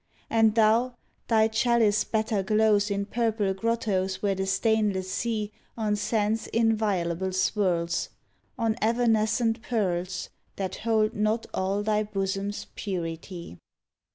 And thou, thy chalice better glows In purple grottos where the stainless sea On sands inviolable swirls — On evanescent pearls, 34 tHE HOUSE OF ORCHIDS That hold not all thy bosom's purity.